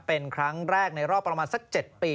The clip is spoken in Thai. เป็นครั้งแรกในรอบประมาณสัก๗ปี